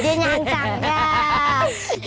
dia nyancang ya